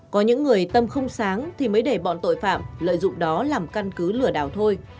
có những người tâm không sáng thì mới để bọn tội phạm lợi dụng đó làm căn cứ lửa đảo thôi